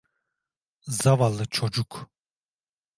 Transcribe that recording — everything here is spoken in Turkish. Zavallı çocuk.